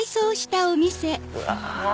うわ！